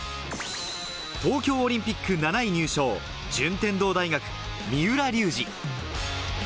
東京オリンピック７位入賞、順天堂大学・三浦龍司。